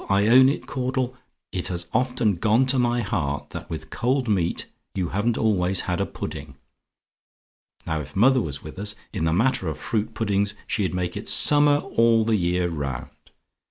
I own it, Caudle; it has often gone to my heart that with cold meat you haven't always had a pudding. Now if mother was with us, in the matter of fruit puddings she'd make it summer all the year round.